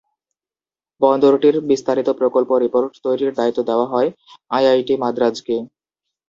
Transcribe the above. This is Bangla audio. বন্দরটির বিস্তারিত প্রকল্প রিপোর্ট তৈরির দায়িত্ব দেওয়া হয়েছে আইআইটি মাদ্রাজ’কে।